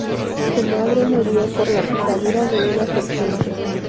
Su madre murió por la picadura de una serpiente.